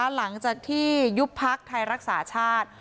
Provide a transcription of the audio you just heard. หลังจากที่ยุบพักไทยรักษาชาติ